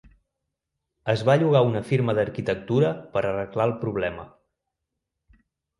Es va llogar una firma d'arquitectura per arreglar el problema.